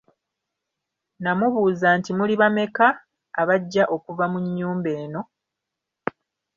Namubuuzizza nti Muli bameka abajja okuva mu nnyumba eno?